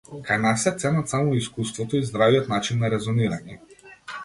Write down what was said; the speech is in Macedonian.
Кај нас се ценат само искуството и здравиот начин на резонирање.